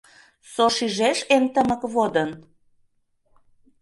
Со шижеш эн тымык водын?